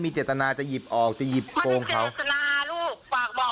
รีบจะขายของให้อีกเจ้านึงแล้วป้ามาพับกองป้ามเห็น